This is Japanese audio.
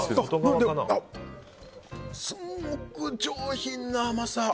すごく上品な甘さ。